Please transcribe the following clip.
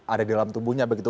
ada di dalam tubuhnya begitu